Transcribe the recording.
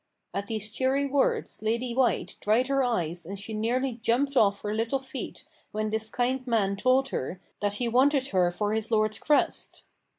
At these cheery words Lady White dried her eyes and she nearly jumped off her little feet when this kind man told her that he wanted her for his lord's crest!